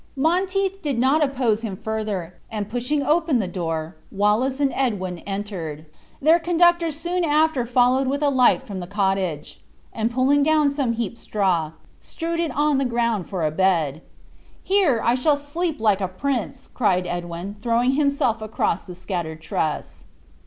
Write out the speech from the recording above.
Monteith did not oppose him further, and pushing open the door, Wallace and Edwin entered. Their conductor soon after followed with a light from the cottage; and pulling down some heaped straw, strewed it on the ground for a bed. "Here I shall sleep like a prince!" cried Edwin, throwing himself along the scattered truss.